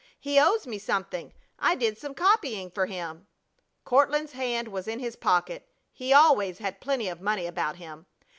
He owes me something. I did some copying for him." Courtland's hand was in his pocket. He always had plenty of money about him.